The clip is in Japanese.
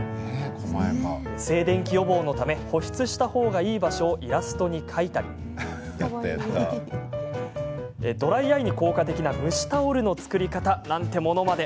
静電気予防のため保湿した方がいい場所をイラストに描いたりドライアイに効果的な蒸しタオルの作り方なんてものまで。